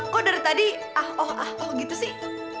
kok dari tadi ah oh ah oh gitu sih